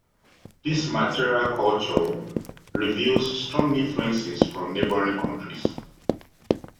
This material culture reveals strong influences from neighbouring countries.